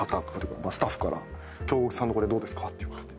まあスタッフから「京極さんのこれどうですか？」って言われて。